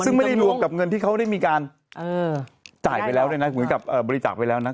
ซึ่งไม่ได้รวมกับเงินที่เขาได้มีการจ่ายไปแล้วด้วยนะเหมือนกับบริจาคไปแล้วนะ